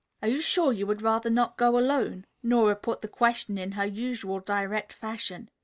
"Are you sure you would rather not go alone?" Nora put the question in her usual direct fashion.